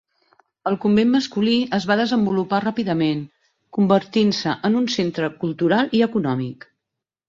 El convent masculí es va desenvolupar ràpidament, convertint-se en un centre cultural i econòmic.